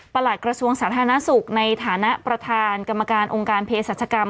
หลักกระทรวงสาธารณสุขในฐานะประธานกรรมการองค์การเพศรัชกรรม